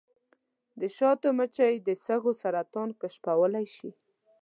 د شاتو مچۍ د سږو سرطان کشفولی شي.